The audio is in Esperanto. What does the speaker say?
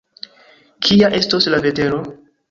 Kia estos la vetero?